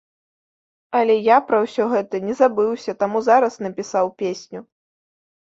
Але я пра ўсё гэта не забыўся, таму зараз напісаў песню.